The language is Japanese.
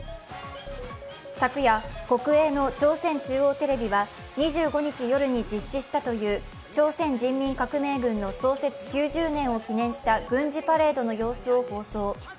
昨夜、国営の朝鮮中央テレビは２５日夜に実施したという朝鮮人民革命軍の創設９０年を記念した軍事パレードの様子を放送。